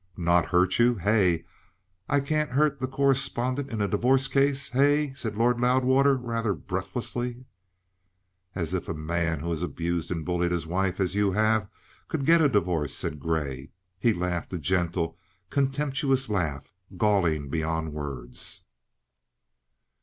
"Not hurt you? Hey? I can't hurt the corespondent in a divorce case? Hey?" said Lord Loudwater rather breathlessly. "As if a man who has abused and bullied his wife as you have could get a divorce!" said Grey, and he laughed a gentle, contemptuous laugh, galling beyond words.